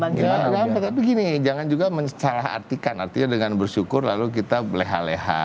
tapi gini jangan juga mensalah artikan artinya dengan bersyukur lalu kita leha leha